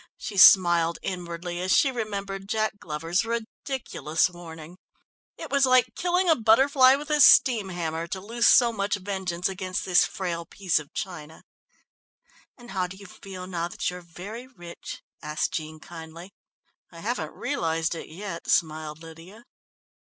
She smiled inwardly as she remembered Jack Glover's ridiculous warning. It was like killing a butterfly with a steam hammer, to loose so much vengeance against this frail piece of china. "And how do you feel now that you're very rich?" asked Jean kindly. "I haven't realised it yet," smiled Lydia.